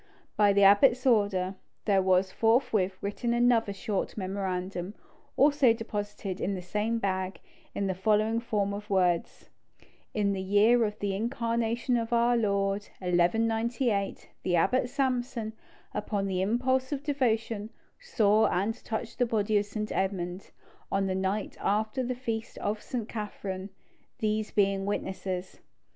By the abbot's order, there was forthwith written another short memorandum, also deposited in the same bag, in the following form of words: "In the year of the incarnation of our Lord, 1198, the abbot Samson, upon the impulse of devotion, saw and touched the body of St. Edmund on the night after the feast of St. Catherine, these being witnesses."